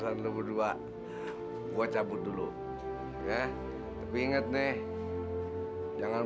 ini semua demi kamu yuk demi ketemu sama kamu